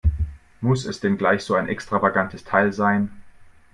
Muss es denn gleich so ein extravagantes Teil sein?